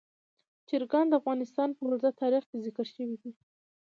چرګان د افغانستان په اوږده تاریخ کې ذکر شوی دی.